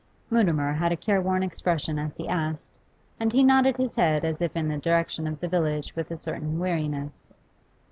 Mutimer had a careworn expression as he asked, and he nodded his head as if in the direction of the village with a certain weariness.